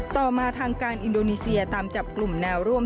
ต่อมาทางการอินโดนีเซียตามจับกลุ่มแนวร่วม